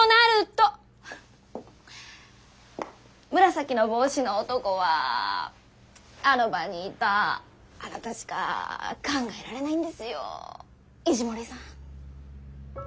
紫の帽子の男はあの場にいたあなたしか考えられないんですよ石森さん。